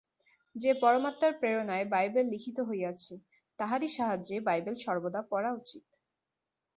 যে পরমাত্মার প্রেরণায় বাইবেল লিখিত হইয়াছে, তাহারই সাহায্যে বাইবেল সর্বদা পড়া উচিত।